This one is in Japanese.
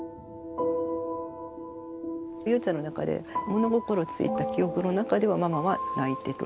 ゆうちゃんの中で物心ついた記憶の中ではママは泣いてる。